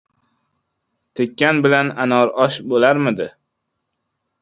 Tekkan bilan anor osh bo‘larmidi?..